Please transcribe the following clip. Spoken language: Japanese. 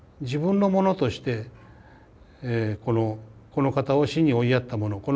自分のものとしてこの方を死に追いやったもの